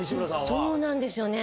そうなんですよね。